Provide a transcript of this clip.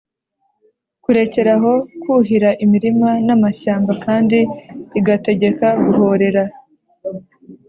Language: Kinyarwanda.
kurekeraho kuhira imirima n’amashyamba, kandi igategeka guhorera